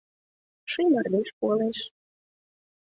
Ший мардеж пуалеш.